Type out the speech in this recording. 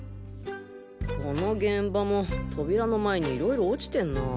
この現場も扉の前に色々落ちてんなぁ。